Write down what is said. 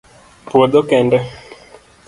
Puodho kende?